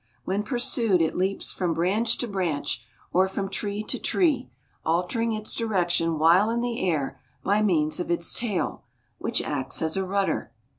When pursued it leaps from branch to branch, or from tree to tree, altering its direction while in the air by means of its tail, which acts as a rudder.